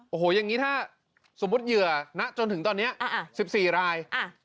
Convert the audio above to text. โอ้โหอย่างนี้ถ้าสมมุติเหยื่อณะจนถึงตอนนี้๑๔ราย